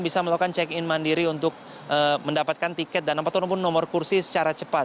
bisa melakukan check in mandiri untuk mendapatkan tiket dan apa ataupun nomor kursi secara cepat